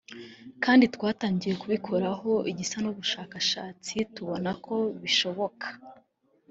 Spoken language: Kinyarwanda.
kandi twagiye tubikoraho igisa n’ubushakashatsi tubona ko bishoboka”